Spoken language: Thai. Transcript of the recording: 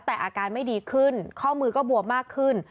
แต่อาการไม่ดีขึ้นข้อมือก็บวมมากขึ้น